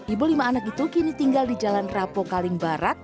ibu lima anak itu kini tinggal di jalan rapo kaling barat